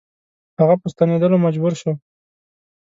هغه په ستنېدلو مجبور شو.